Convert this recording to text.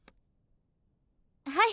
はい！